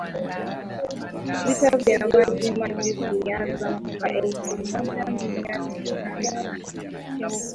Vita vya Maji Maji vilianza mwaka elfu moja mia tisa na tano